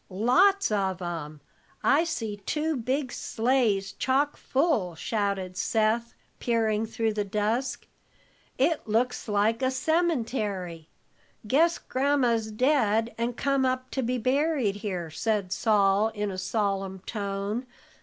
"Lots of 'em! I see two big sleighs chock full," shouted Seth, peering through the dusk. "It looks like a semintary. Guess Gramma's dead and come up to be buried here," said Sol in a solemn tone.